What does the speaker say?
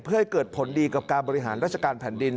เพื่อให้เกิดผลดีกับการบริหารราชการแผ่นดิน